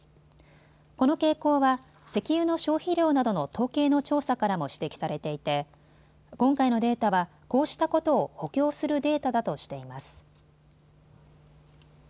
この傾向は石油の消費量などの統計の調査からも指摘されていて今回のデータは、こうしたことを補強するデータだとしています。